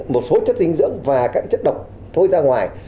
một số chất dinh dưỡng và các chất độc thôi ra ngoài